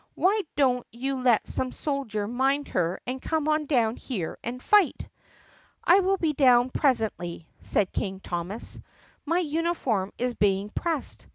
Why don't you let some soldiers mind her and come on down here and fight." "I will be down presently," said King Thomas. "My uni form is being pressed.